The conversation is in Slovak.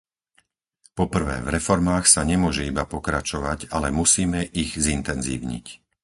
Po prvé, v reformách sa nemôže iba pokračovať, ale musíme ich zintenzívniť.